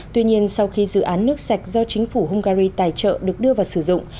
tuy nhiên sau khi dự án nước sạch do chính phủ hungary tài trợ được đưa vào sử dụng